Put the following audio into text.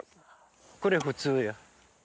これ普通よ。